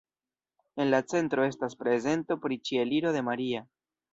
En la centro estas prezento pri Ĉieliro de Maria.